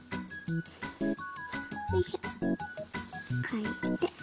かいて。